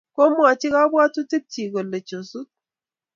kimwochi kabwotutikchich kole chosut